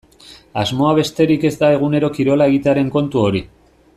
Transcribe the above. Asmoa besterik ez da egunero kirola egitearen kontu hori.